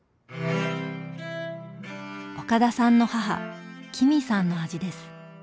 岡田さんの母君さんの味です。